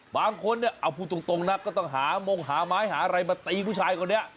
บางคนเอาผู้ตรงก็ต้องหามงหาไม้หาไรมาตีผู้ชายคนเนี่ย